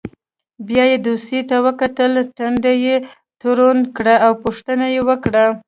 بیا یې دوسیې ته وکتل ټنډه یې تروه کړه او پوښتنه یې وکړه.